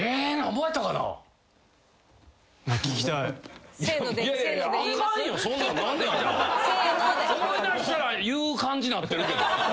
思い出したら言う感じになってるけど。